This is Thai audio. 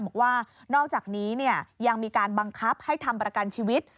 บอกว่านอกจากนี้ยังมีการบังคับให้ทำประกันชีวิต